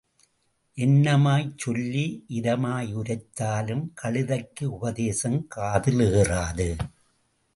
என்னமாய்ச் சொல்லி இதமாய் உரைத்தாலும் கழுதைக்கு உபதேசம் காதில் ஏறாது.